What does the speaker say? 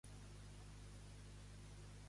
Com puc preparar arròs a la bruta?